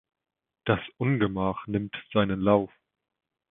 Das Ungemach nimmt seinen Lauf.